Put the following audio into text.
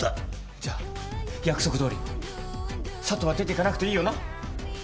じゃあ約束どおり佐都は出ていかなくていいよな？